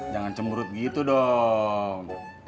jangan cemurut gitu dong